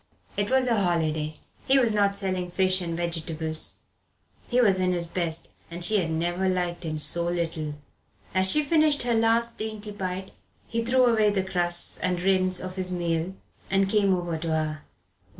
It was a holiday. He was not selling fish and vegetables. He was in his best, and she had never liked him so little. As she finished her last dainty bite he threw away the crusts and rinds of his meal and came over to her.